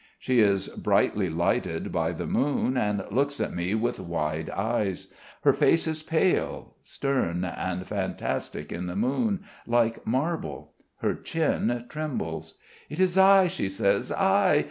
She is brightly lighted by the moon and looks at me with wide eyes. Her face is pale, stem and fantastic in the moon, like marble. Her chin trembles. "It is I...." she says, "I